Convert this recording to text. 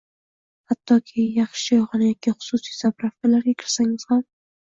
Hattoki yaxshi choyxona yoki hususiy zapravkalarga kirsangiz ham